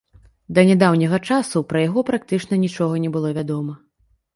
Да нядаўняга часу пра яго практычна нічога не было вядома.